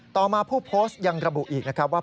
ต่อมาผู้โพสต์ยังระบุอีกนะครับว่า